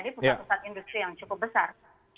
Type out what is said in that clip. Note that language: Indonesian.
ini pusat pusat industri yang cukup besar